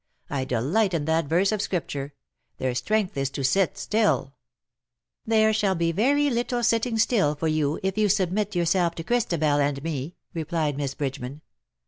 I delight in that verse of Scripture, ' Their strength is to sit still/ '^" There shall be very little sittiDg still for you if you submit yourself to Christabel and me,^^ replied Miss Bridgeman.